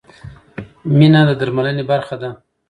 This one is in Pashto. مینه د درملنې برخه ده.